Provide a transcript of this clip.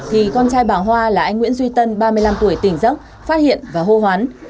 thì con trai bà hoa là anh nguyễn duy tân ba mươi năm tuổi tỉnh dốc phát hiện và hô hoán